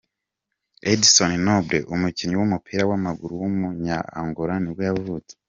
Édson Nobre, umukinnyi w’umupira w’amaguru w’umunya Angola nibwo yavutse.